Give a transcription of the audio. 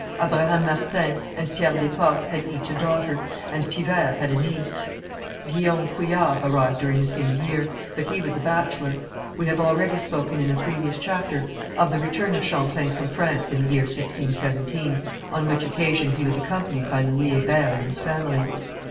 Abraham Martin and Pierre Desportes had each a daughter, and Pivert had a niece. Guillaume Couillard arrived during the same year, but he was a bachelor. We have already spoken in a previous chapter of the return of Champlain from France in the year 1617, on which occasion he was accompanied by Louis Hébert and his family.